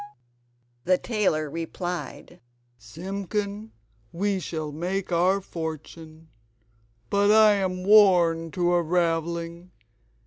The tailor replied: "Simpkin, we shall make our fortune, but I am worn to a ravelling.